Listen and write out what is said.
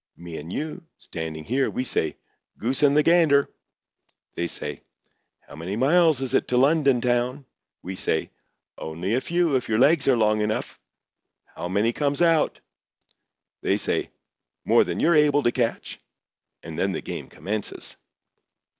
Me and you, standing here, we say: 'Goose and the Gander!' They say: 'How many miles is it to London town?' We say: 'Only a few, if your legs are long enough. How many comes out?' They say: 'More than you're able to catch.' And then the game commences."